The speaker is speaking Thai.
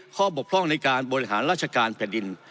บกพร่องในการบริหารราชการแผ่นดิน